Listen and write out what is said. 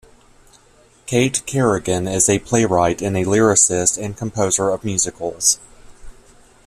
Kait Kerrigan is a playwright and a lyricist and composer of musicals.